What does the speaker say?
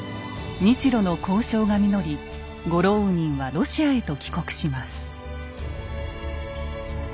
日露の交渉が実りゴローウニンはロシアへと帰国します。